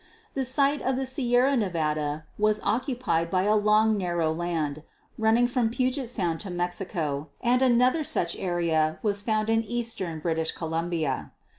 The site of the Sierra Nevada was occupied by a long, narrow land, running from Puget Sound to Mexico, and another such area was found in eastern British Columbia.